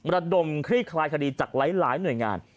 ระดมคลี่คลายคดีจากหลายหน่วยงาน